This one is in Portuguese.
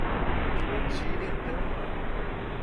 Potiretama